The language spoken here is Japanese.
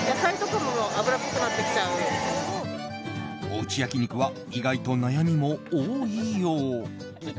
おうち焼き肉は意外と悩みも多いよう。